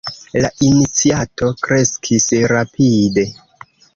La iniciato kreskis rapide.